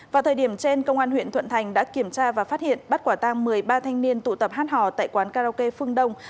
vào thời điểm trên công an huyện thuận thành đã kiểm tra và phát hiện bắt quả tang một mươi ba thanh niên tụ tập hát hò tại quán karaoke phương đông